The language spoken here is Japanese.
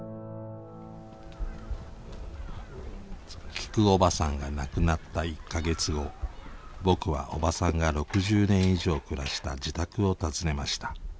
きくおばさんが亡くなった１か月後僕はおばさんが６０年以上暮らした自宅を訪ねました。